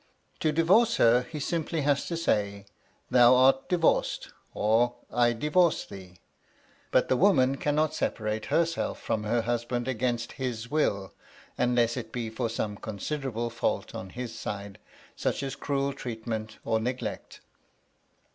To divorce her, he simply has to say, "Thou art divorced," or "I divorce thee"; but the woman cannot separate herself from her husband against his will, unless it be for some considerable fault on his side, such as cruel treatment or neglect.